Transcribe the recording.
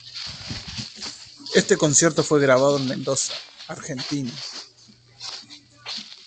Este concierto fue grabado en Mendoza, Argentina.